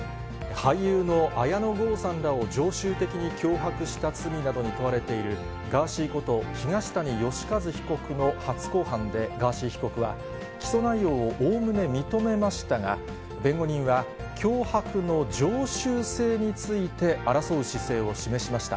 俳優の綾野剛さんらを常習的に脅迫した罪などに問われているガーシーこと、東谷義和被告の初公判で、ガーシー被告は起訴内容をおおむね認めましたが、弁護人は脅迫の常習性について争う姿勢を示しました。